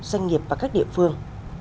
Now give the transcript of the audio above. doanh nghiệp và các địa phương